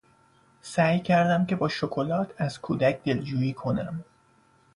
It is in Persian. سعی کردم که با شکلات از کودک دلجویی کنم.